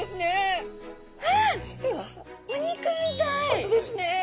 本当ですね。